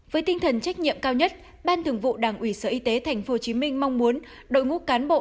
với tinh thần trách nhiệm cao nhất ban thường vụ đảng ủy sở y tế tp hcm mong muốn đội ngũ cán bộ